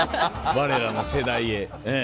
われらの世代へ。